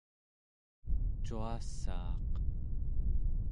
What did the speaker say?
cuassaaq